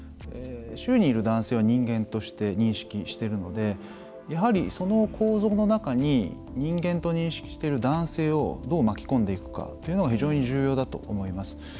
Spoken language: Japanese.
周囲にいる男性は人間として認識してるのでやはり、その構造の中に人間と認識してる男性をどう巻き込んでいくかというのが非常に重要だと思います。